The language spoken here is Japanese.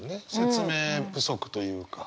説明不足というか。